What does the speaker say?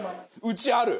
うちある！